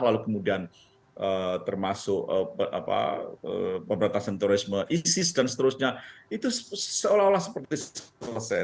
lalu kemudian termasuk pemberantasan terorisme isis dan seterusnya itu seolah olah seperti selesai